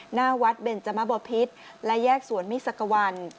หน้าวัดเบนจมบพิษและแยกสวนมิสักวัน